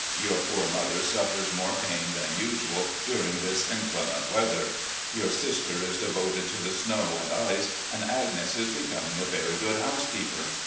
Your poor mother suffers more pain than usual during this inclement weather. Your sister is devoted to the snow and ice, and Agnes is becoming a very good housekeeper.